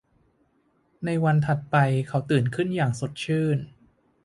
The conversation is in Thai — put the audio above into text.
ในวันถัดไปเขาตื่นขึ้นอย่างสดชื่น